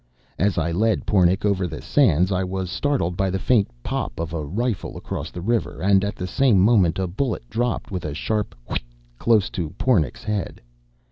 As I led Pornic over the sands I was startled by the faint pop of a rifle across the river; and at the same moment a bullet dropped with a sharp "whit" close to Pornic's head.